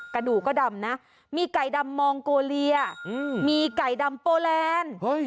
กระดูกก็ดำนะมีไก่ดำมองโกเลียมีไก่ดำโปแลนด์